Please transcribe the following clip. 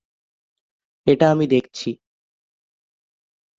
এটা আমি দেখছি।